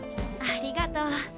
ありがと！